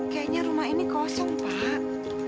kayaknya rumah ini kosong pak